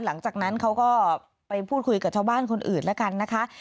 หลังจากนั้นเขาก็ไปพูดคุยกับชาวบ้านคนอื่นแล้วกันนะคะ